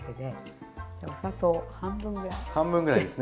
お砂糖半分ぐらいです。